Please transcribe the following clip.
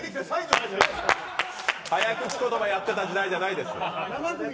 早口言葉やってた時代じゃないです。